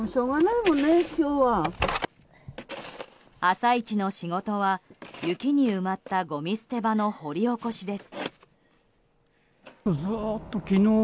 朝一の仕事は雪に埋まったごみ捨て場の掘り起こしです。